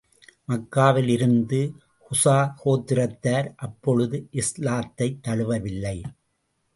மக்காவில் இருந்த குஸா கோத்திரத்தார் அப்பொழுது இஸ்லாத்தைத் தழுவவில்லை.